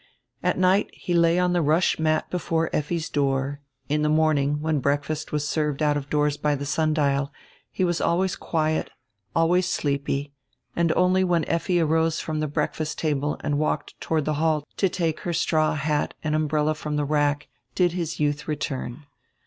At night he lay on the rush mat before Effi's door; in the morning, when breakfast was served out of doors by the sundial, he was always quiet, always sleepy, and only when Effi arose from the breakfast table and walked toward the hall to take her straw hat and umbrella from the rack, did his youth return.